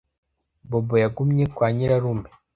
Bob yagumye kwa nyirarume.